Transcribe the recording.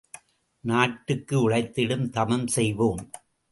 நாட்டுக்கு உழைத்திடும் தவம் செய்வோம்!